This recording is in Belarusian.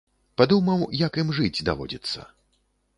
Падумаў, як ім жыць даводзіцца.